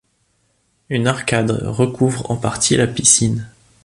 Une arcade recouvre en partie la piscine.